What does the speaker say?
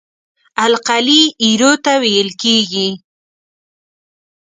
القلي ایرو ته ویل کیږي.